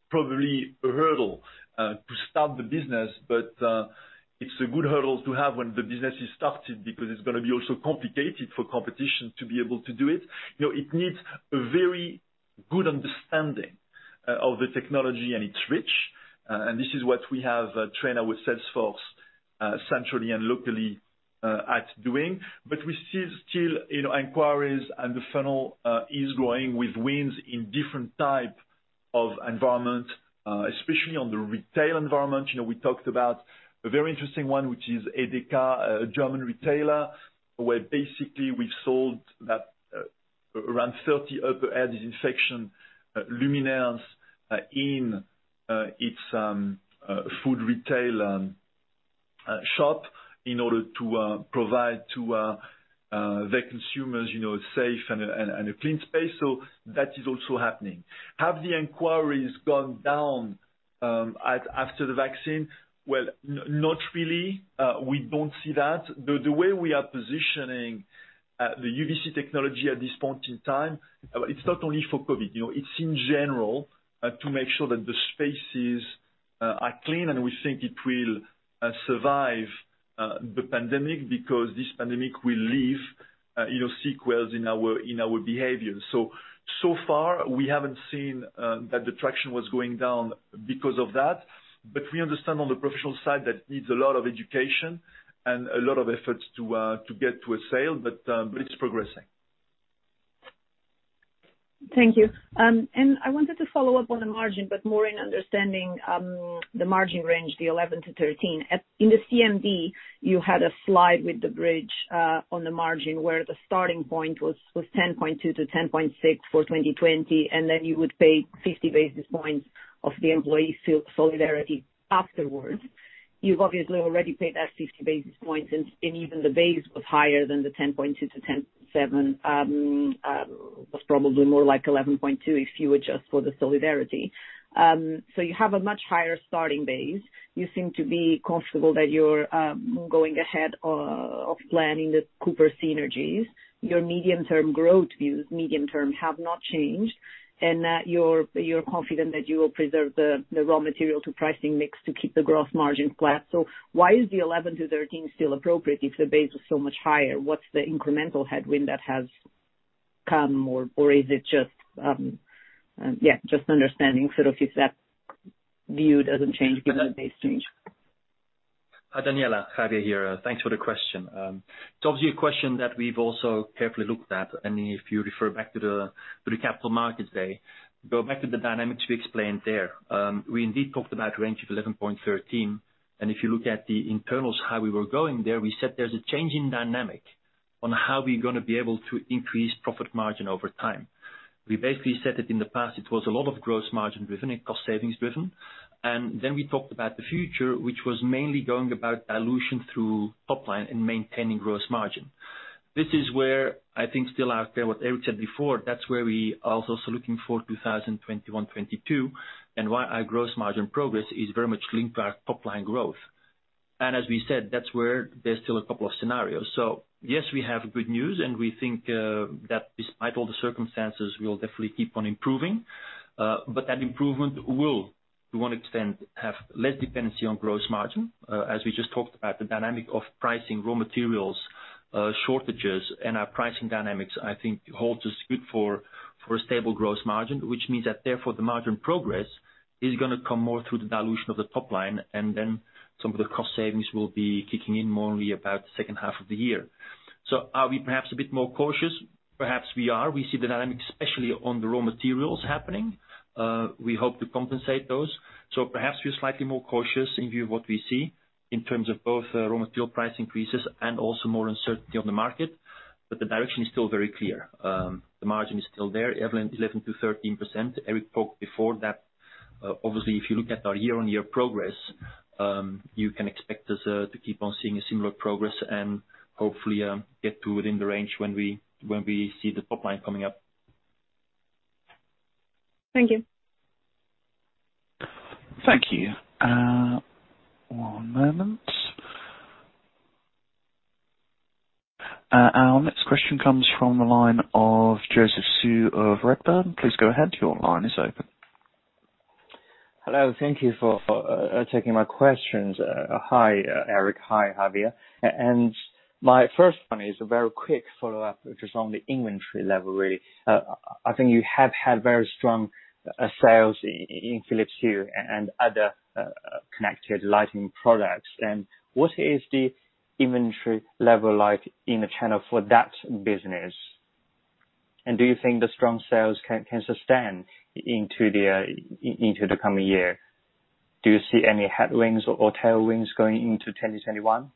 S3: probably a hurdle to start the business. It's a good hurdle to have when the business is started because it's going to be also complicated for competition to be able to do it. It needs a very good understanding of the technology and its reach. This is what we have trained our Salesforce centrally and locally at doing. We see still inquiries and the funnel is growing with wins in different type of environment, especially on the retail environment. We talked about a very interesting one, which is EDEKA, a German retailer, where basically we sold around 30 upper air disinfection luminaires in its food retail shop in order to provide to their consumers a safe and a clean space. That is also happening. Have the inquiries gone down after the vaccine? Well, not really. We don't see that. The way we are positioning the UVC technology at this point in time, it's not only for COVID. It's in general to make sure that the spaces are clean, and we think it will survive the pandemic because this pandemic will leave sequels in our behaviors. So far we haven't seen that the traction was going down because of that. We understand on the professional side that it needs a lot of education and a lot of efforts to get to a sale, but it's progressing.
S8: Thank you. I wanted to follow up on the margin, but more in understanding the margin range, the 11%-13%. In the CMD, you had a slide with the bridge on the margin where the starting point was 10.2%-10.6% for 2020, and then you would pay 50 basis points of the employee solidarity afterwards. You've obviously already paid that 50 basis points, and even the base was higher than the 10.2%-10.7%, was probably more like 11.2% if you adjust for the solidarity. You have a much higher starting base. You seem to be comfortable that you're going ahead of planning the Cooper synergies. Your medium-term growth views, medium-term, have not changed, and that you're confident that you will preserve the raw material to pricing mix to keep the growth margin flat. Why is the 11-13 still appropriate if the base was so much higher? What's the incremental headwind that has come, or is it just understanding sort of if that view doesn't change given the base change?
S4: Hi, Daniela. Javier here. Thanks for the question. It's obviously a question that we've also carefully looked at. If you refer back to the Capital Markets Day, go back to the dynamics we explained there. We indeed talked about range of 11%-13%. If you look at the internals, how we were going there, we said there's a change in dynamic on how we're going to be able to increase profit margin over time. We basically said it in the past, it was a lot of gross margin driven and cost savings driven. Then we talked about the future, which was mainly going about dilution through top line and maintaining gross margin. This is where I think still out there, what Eric said before, that's where we are also looking for 2021, 2022, and why our gross margin progress is very much linked to our top-line growth. As we said, that's where there's still a couple of scenarios. Yes, we have good news, and we think that despite all the circumstances, we'll definitely keep on improving. That improvement will, to one extent, have less dependency on gross margin. We just talked about the dynamic of pricing raw materials shortages and our pricing dynamics, I think holds us good for a stable gross margin, which means that therefore the margin progress is gonna come more through the dilution of the top line, and then some of the cost savings will be kicking in more only about the second half of the year. Are we perhaps a bit more cautious? Perhaps we are. We see the dynamic, especially on the raw materials happening. We hope to compensate those. Perhaps we're slightly more cautious in view of what we see in terms of both raw material price increases and also more uncertainty on the market. The direction is still very clear. The margin is still there, 11%-13%. Eric talked before that, obviously, if you look at our year-on-year progress, you can expect us to keep on seeing a similar progress and hopefully, get to within the range when we see the top line coming up.
S8: Thank you.
S1: Thank you. One moment. Our next question comes from the line of Joseph Zhou of Redburn. Please go ahead. Your line is open.
S9: Hello. Thank you for taking my questions. Hi, Eric. Hi, Javier. My first one is a very quick follow-up, which is on the inventory level, really. I think you have had very strong sales in Philips Hue and other connected lighting products. What is the inventory level like in the channel for that business? Do you think the strong sales can sustain into the coming year? Do you see any headwinds or tailwinds going into 2021?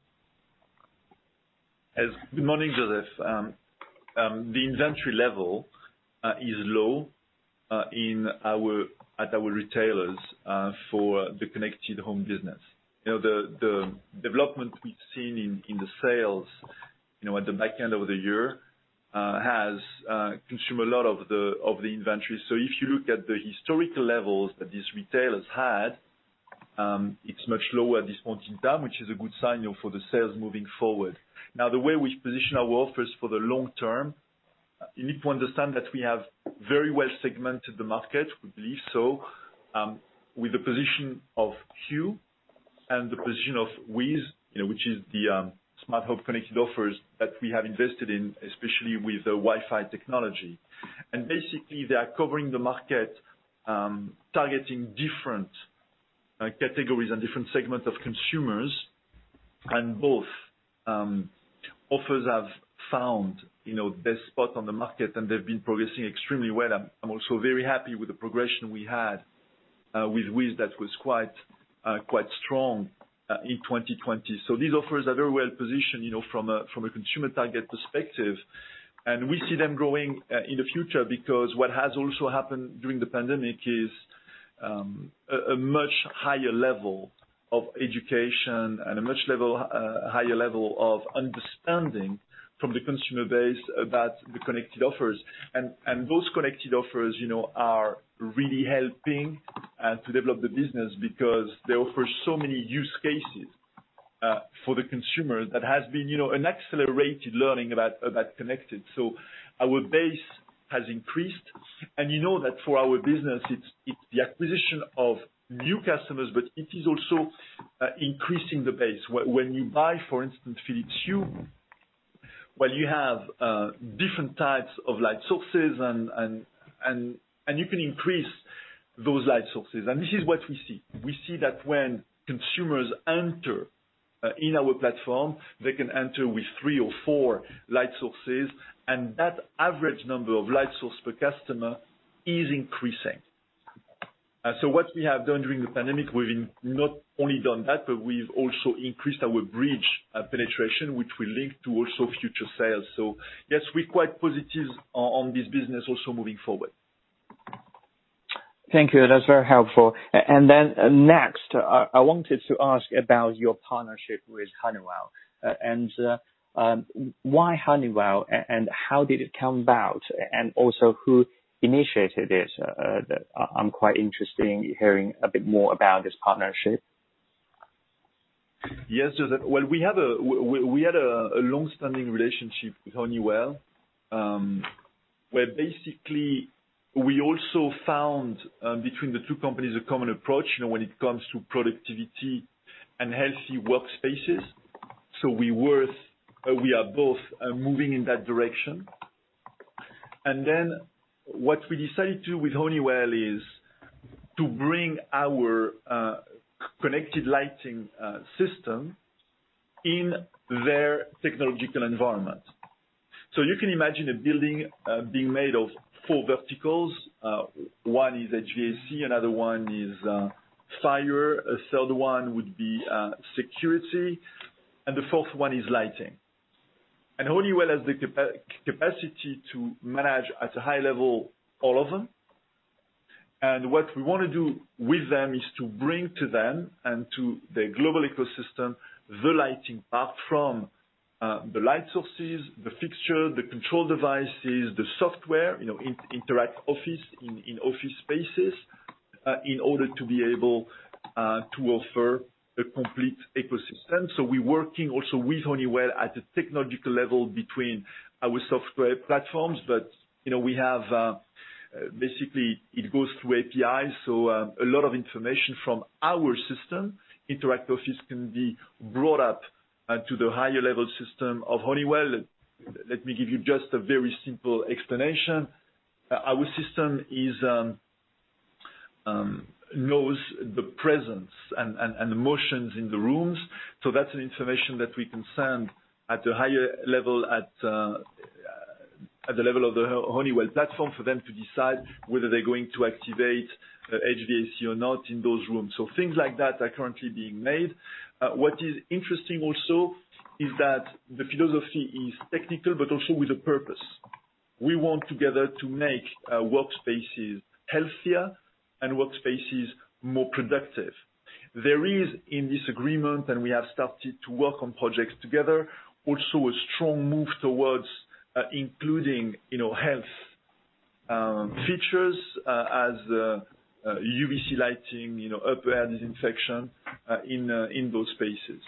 S3: Good morning, Joseph. The inventory level is low at our retailers for the connected home business. The development we've seen in the sales at the back end of the year has consumed a lot of the inventory. If you look at the historical levels that these retailers had, it's much lower at this point in time, which is a good sign for the sales moving forward. The way we position our offers for the long term, you need to understand that we have very well segmented the market, we believe so, with the position of Hue and the position of WiZ, which is the smart home connected offers that we have invested in, especially with the Wi-Fi technology. Basically, they are covering the market, targeting different categories and different segments of consumers. Both offers have found their spot on the market, and they've been progressing extremely well. I'm also very happy with the progression we had with WiZ. That was quite strong in 2020. These offers are very well-positioned from a consumer target perspective. We see them growing in the future because what has also happened during the pandemic is a much higher level of education and a much higher level of understanding from the consumer base about the connected offers. Those connected offers are really helping to develop the business because they offer so many use cases for the consumer that has been an accelerated learning about connected. Our base has increased, and you know that for our business, it's the acquisition of new customers, but it is also increasing the base. When you buy, for instance, Philips Hue, well, you have different types of light sources and you can increase those light sources. This is what we see. We see that when consumers enter in our platform, they can enter with three or four light sources, and that average number of light source per customer is increasing. What we have done during the pandemic, we've not only done that, but we've also increased our bridge penetration, which will link to also future sales. Yes, we're quite positive on this business also moving forward.
S9: Thank you. That's very helpful. Next, I wanted to ask about your partnership with Honeywell. Why Honeywell, and how did it come about? Who initiated it? I'm quite interested in hearing a bit more about this partnership.
S3: Yes, Joseph. We had a long-standing relationship with Honeywell, where basically we also found between the two companies a common approach when it comes to productivity and healthy workspaces. We are both moving in that direction. What we decided to do with Honeywell is to bring our connected lighting system in their technological environment. You can imagine a building being made of four verticals. One is HVAC, another one is fire, a third one would be security, and the fourth one is lighting. Honeywell has the capacity to manage at a high level all of them. What we want to do with them is to bring to them and to their global ecosystem the lighting part from the light sources, the fixture, the control devices, the software, Interact Office in office spaces, in order to be able to offer a complete ecosystem. We're working also with Honeywell at the technological level between our software platforms. Basically, it goes through APIs. A lot of information from our system, Interact Office, can be brought up to the higher level system of Honeywell. Let me give you just a very simple explanation. Our system knows the presence and the motions in the rooms. That's an information that we can send at the higher level, at the level of the Honeywell platform, for them to decide whether they're going to activate HVAC or not in those rooms. Things like that are currently being made. What is interesting also is that the philosophy is technical, but also with a purpose. We want together to make our workspaces healthier and workspaces more productive. There is in this agreement, and we have started to work on projects together, also a strong move towards including health features as UVC lighting, upper air disinfection in those spaces.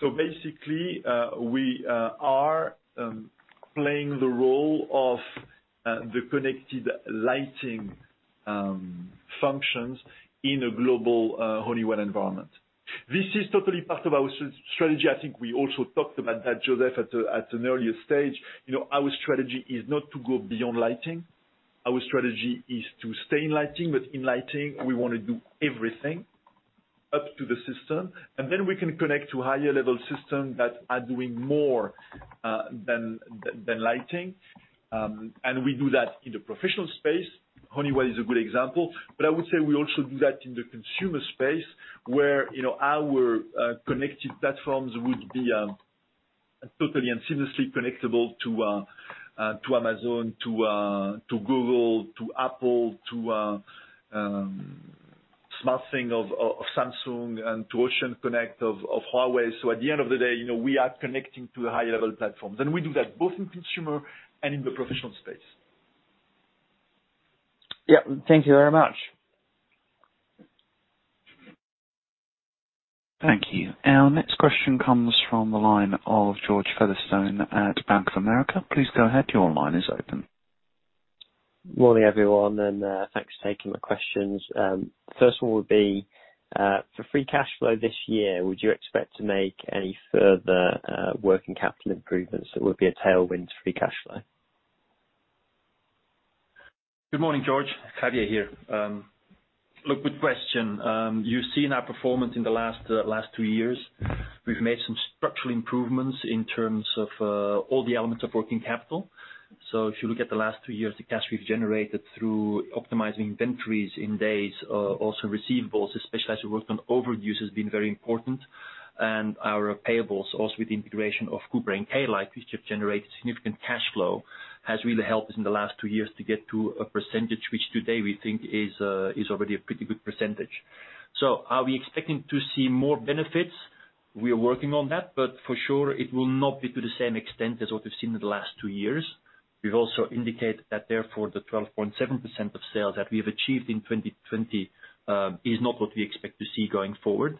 S3: Basically, we are playing the role of the connected lighting functions in a global Honeywell environment. This is totally part of our strategy. I think we also talked about that, Joseph, at an earlier stage. Our strategy is not to go beyond lighting. Our strategy is to stay in lighting, but in lighting, we want to do everything up to the system, and then we can connect to higher level system that are doing more than lighting. We do that in the professional space. Honeywell is a good example. I would say we also do that in the consumer space, where our connected platforms would be totally and seamlessly connectable to Amazon, to Google, to Apple, to SmartThings of Samsung, and to OceanConnect of Huawei. At the end of the day, we are connecting to the higher level platforms, and we do that both in consumer and in the professional space.
S9: Yeah. Thank you very much.
S1: Thank you. Our next question comes from the line of George Featherstone at Bank of America. Please go ahead. Your line is open.
S10: Morning, everyone. Thanks for taking my questions. First of all would be, for free cash flow this year, would you expect to make any further working capital improvements that would be a tailwind to free cash flow?
S4: Good morning, George. Javier here. Look, good question. You've seen our performance in the last two years. We've made some structural improvements in terms of all the elements of working capital. If you look at the last two years, the cash we've generated through optimizing inventories in days, also receivables, especially as we work on overages, has been very important. Our payables also with the integration of Cooper and K-Lite, which have generated significant cash flow, has really helped us in the last two years to get to a percentage which today we think is already a pretty good percentage. Are we expecting to see more benefits? We are working on that, but for sure it will not be to the same extent as what we've seen in the last two years. We've also indicated that therefore the 12.7% of sales that we have achieved in 2020 is not what we expect to see going forward.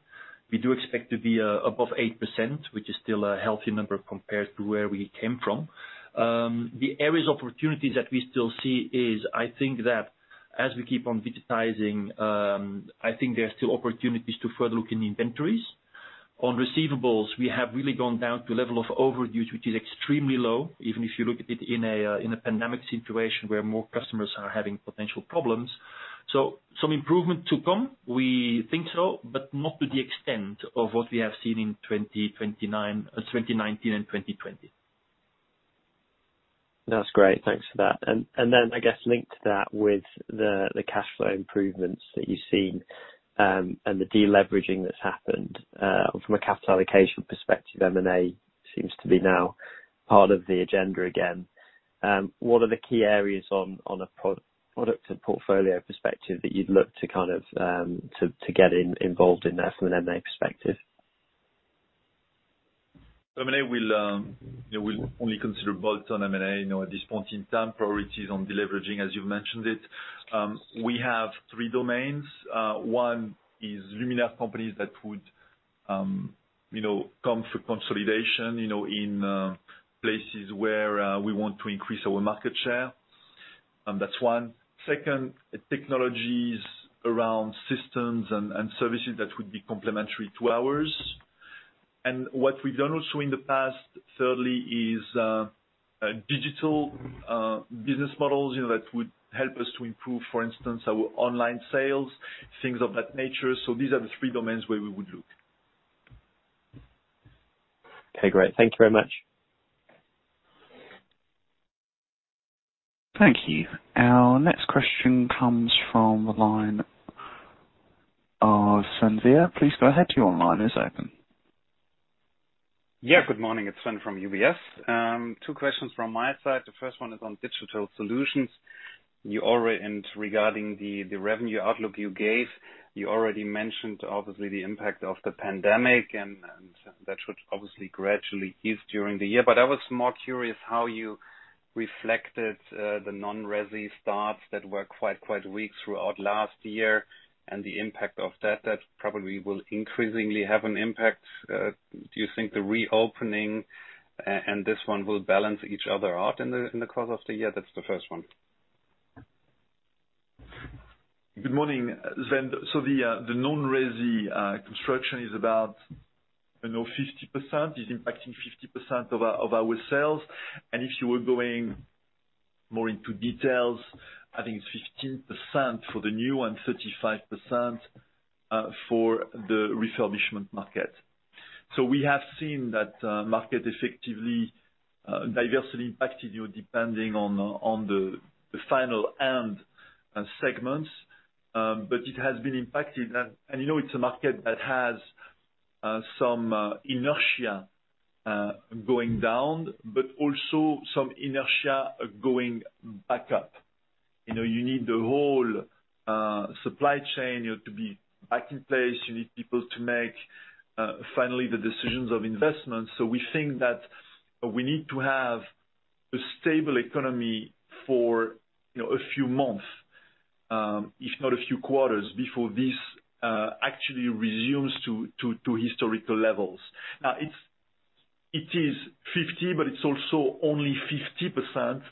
S4: We do expect to be above 8%, which is still a healthy number compared to where we came from. The areas opportunities that we still see is, I think that as we keep on digitizing, I think there are still opportunities to further look in inventories. On receivables, we have really gone down to a level of overage, which is extremely low, even if you look at it in a pandemic situation where more customers are having potential problems. Some improvement to come, we think so, but not to the extent of what we have seen in 2019 and 2020.
S10: That's great. Thanks for that. I guess link to that with the cash flow improvements that you've seen, and the deleveraging that's happened, from a capital allocation perspective, M&A seems to be now part of the agenda again. What are the key areas on a product and portfolio perspective that you'd look to get in involved in there from an M&A perspective?
S3: M&A, we'll only consider bolt-on M&A at this point in time. Priority is on deleveraging, as you've mentioned it. We have three domains. One is luminaire companies that would come for consolidation in places where we want to increase our market share. That's one. Second is technologies around systems and services that would be complementary to ours. What we've done also in the past, thirdly, is digital business models that would help us to improve, for instance, our online sales, things of that nature. These are the three domains where we would look.
S10: Okay, great. Thank you very much.
S1: Thank you. Our next question comes from the line of Sven Weier. Please go ahead. Your line is open.
S11: Yeah, good morning. It's Sven from UBS. Two questions from my side. The first one is on Digital Solutions and regarding the revenue outlook you gave. You already mentioned obviously the impact of the pandemic, and that should obviously gradually ease during the year. I was more curious how you reflected the non-resi starts that were quite weak throughout last year and the impact of that. That probably will increasingly have an impact. Do you think the reopening and this one will balance each other out in the course of the year? That's the first one.
S3: Good morning, Sven. The non-resi construction is impacting 50% of our sales. If you were going more into details, I think it's 15% for the new one, 35% for the refurbishment market. We have seen that market effectively diversely impacted you, depending on the final end segments. It has been impacted and you know it's a market that has some inertia going down, but also some inertia going back up. You need the whole supply chain to be back in place. You need people to make finally the decisions of investments. We think that we need to have a stable economy for a few months, if not a few quarters, before this actually resumes to historical levels. Now, it is 50%, but it's also only 50%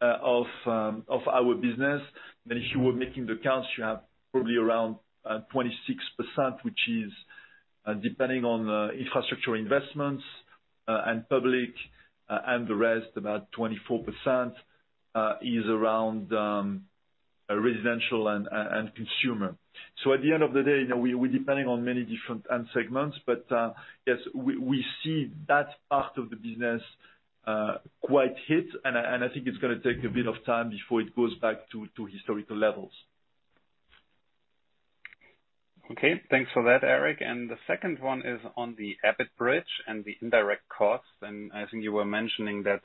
S3: of our business. If you were making the accounts, you have probably around 26%, which is depending on infrastructure investments and public, and the rest, about 24%, is around residential and consumer. At the end of the day, we're depending on many different end segments. Yes, we see that part of the business quite hit, and I think it's going to take a bit of time before it goes back to historical levels.
S11: Okay. Thanks for that, Eric. The second one is on the EBIT bridge and the indirect costs. I think you were mentioning that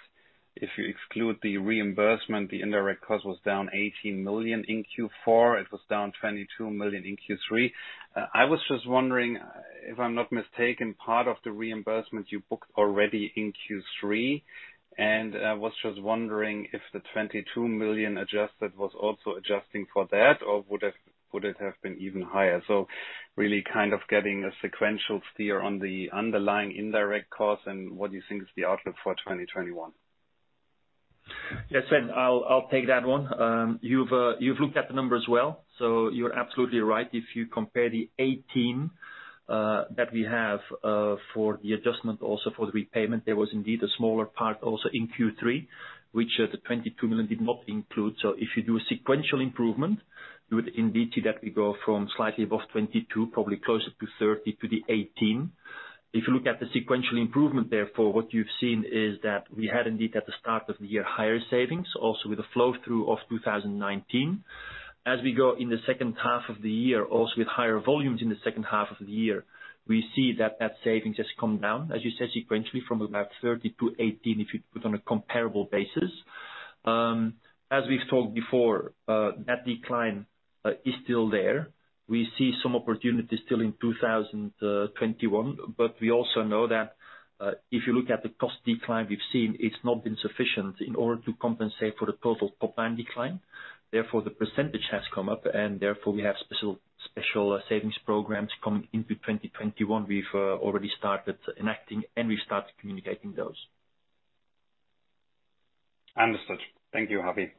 S11: if you exclude the reimbursement, the indirect cost was down 18 million in Q4. It was down 22 million in Q3. I was just wondering, if I'm not mistaken, part of the reimbursement you booked already in Q3. I was just wondering if the 22 million adjusted was also adjusting for that, or would it have been even higher? Really kind of getting a sequential steer on the underlying indirect cost and what you think is the outlook for 2021.
S4: Yes. Sven, I'll take that one. You've looked at the numbers well, you're absolutely right. If you compare the 18 milion that we have for the adjustment also for the repayment, there was indeed a smaller part also in Q3, which the 22 million did not include. If you do a sequential improvement, you would indeed see that we go from slightly above 22 million, probably closer to 30 million to the 18 million. If you look at the sequential improvement, therefore, what you've seen is that we had indeed at the start of the year, higher savings also with the flow-through of 2019. As we go in the second half of the year, also with higher volumes in the second half of the year, we see that that saving has come down, as you said, sequentially from about 30 million-18 million if you put on a comparable basis. As we've talked before, that decline is still there. We see some opportunities still in 2021, but we also know that if you look at the cost decline we've seen, it's not been sufficient in order to compensate for the total top line decline. Therefore, the percentage has come up, and therefore we have special savings programs coming into 2021 we've already started enacting, and we start communicating those.
S11: Understood. Thank you, Javier.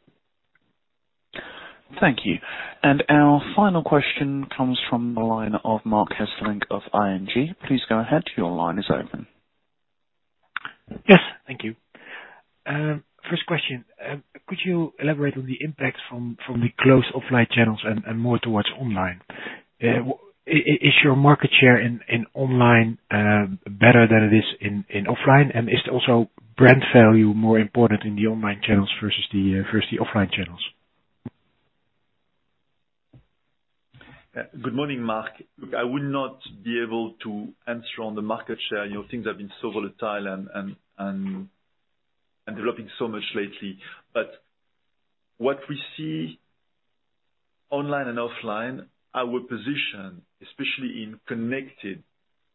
S1: Thank you. Our final question comes from the line of Marc Hesselink of ING. Please go ahead. Your line is open.
S12: Yes. Thank you. First question, could you elaborate on the impact from the closed offline channels and more towards online? Is your market share in online better than it is in offline? Is also brand value more important in the online channels versus the offline channels?
S3: Good morning, Marc. Look, I would not be able to answer on the market share. Things have been so volatile and developing so much lately. What we see online and offline, our position, especially in connected,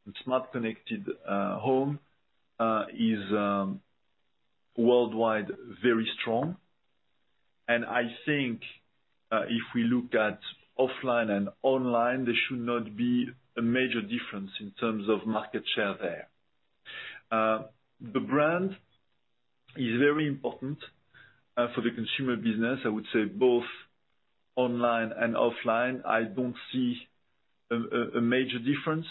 S3: in smart connected home, is worldwide, very strong. I think if we look at offline and online, there should not be a major difference in terms of market share there. The brand is very important for the consumer business. I would say both online and offline, I don't see a major difference.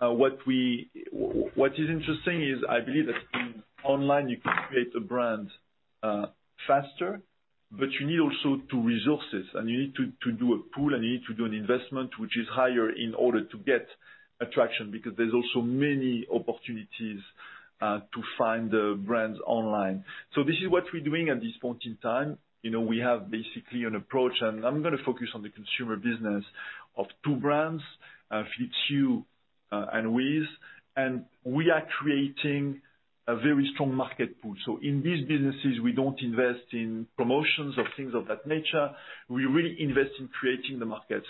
S3: What is interesting is I believe that in online you can create a brand faster, but you need also to resource it, and you need to do a pool and you need to do an investment which is higher in order to get attraction, because there's also many opportunities to find the brands online. This is what we're doing at this point in time. We have basically an approach, and I'm going to focus on the consumer business of two brands, Hue and WiZ, and we are creating a very strong market pool. In these businesses, we don't invest in promotions or things of that nature. We really invest in creating the market.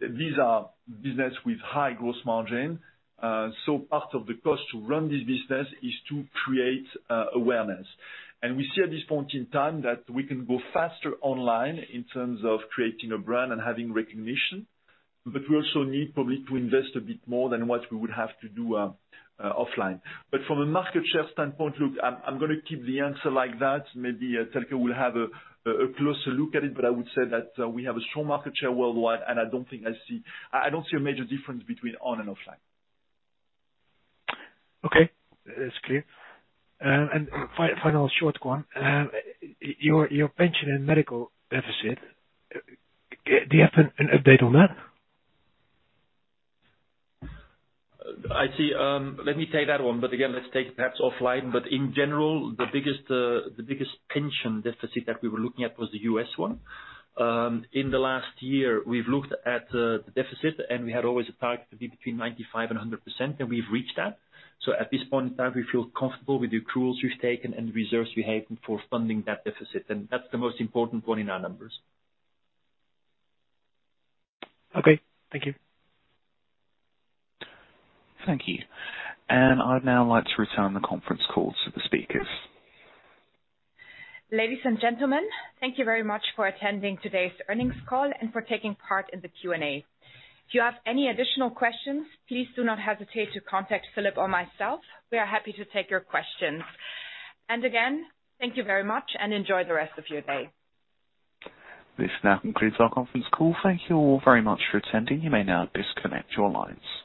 S3: These are business with high gross margin. Part of the cost to run this business is to create awareness. We see at this point in time that we can go faster online in terms of creating a brand and having recognition. We also need probably to invest a bit more than what we would have to do offline. From a market share standpoint, look, I'm going to keep the answer like that. Maybe Thelke will have a closer look at it, but I would say that we have a strong market share worldwide, and I don't see a major difference between on and offline.
S12: Okay. That's clear. Final short one. Your pension and medical deficit, do you have an update on that?
S4: I see. Let me take that one. Again, let's take perhaps offline. In general, the biggest pension deficit that we were looking at was the U.S. one. In the last year, we've looked at the deficit, and we had always a target to be between 95% and 100%, and we've reached that. At this point in time, we feel comfortable with the accruals we've taken and the reserves we have for funding that deficit. That's the most important point in our numbers.
S12: Okay. Thank you.
S1: Thank you. I'd now like to return the conference call to the speakers.
S2: Ladies and gentlemen, thank you very much for attending today's earnings call and for taking part in the Q&A. If you have any additional questions, please do not hesitate to contact Philip or myself. We are happy to take your questions. Again, thank you very much, and enjoy the rest of your day.
S1: This now concludes our conference call. Thank you all very much for attending. You may now disconnect your lines.